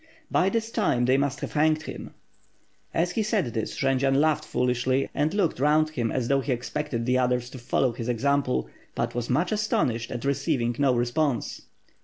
By this time they must have hanged him." As he said this, Jendzian laughed foolishly and looked round him as though he expected the others to follow his example; but was much 'astonished at receiving no response.